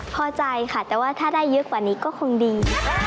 พอใจค่ะแต่ว่าถ้าได้เยอะกว่านี้ก็คงดี